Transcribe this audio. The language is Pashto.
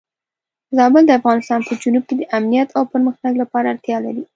زابل د افغانستان په جنوب کې د امنیت او پرمختګ لپاره اړتیا لري.